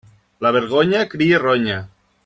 La vergonya cria ronya.